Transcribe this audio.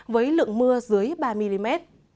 với lượng mưa dưới ba mm